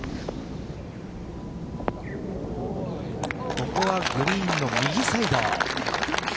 ここはグリーンの右サイド。